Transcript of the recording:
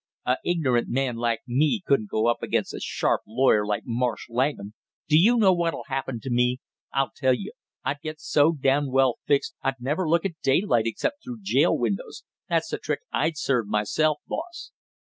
"A ignorant man like me couldn't go up against a sharp lawyer like Marsh Langham! Do you know what'd happen to me? I'll tell you; I'd get so damned well fixed I'd never look at daylight except through jail windows; that's the trick I'd serve myself, boss."